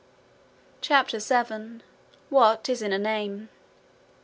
CHAPTER 7 What Is in a Name?